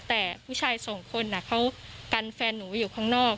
แต่ผู้ชายสองคนเขากันแฟนหนูอยู่ข้างนอก